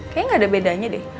kayaknya nggak ada bedanya deh